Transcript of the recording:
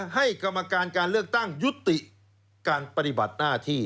กรรมการการเลือกตั้งยุติการปฏิบัติหน้าที่